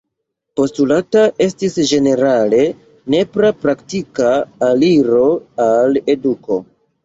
Postulata estis ĝenerale nepra praktika aliro al eduko.